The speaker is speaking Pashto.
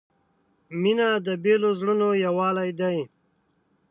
• مینه د بېلو زړونو یووالی دی.